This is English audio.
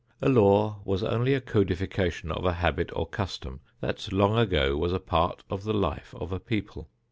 A law was only a codification of a habit or custom that long ago was a part of the life of a people.